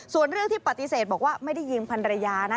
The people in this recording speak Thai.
ส่วนเรื่องที่ปฏิเสธบอกว่าไม่ได้ยิงพันรยานะ